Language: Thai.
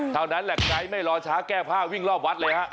เท่านั้นแหละใจไม่รอช้าแก้ผ้าวิ่งรอบวัดเลยฮะ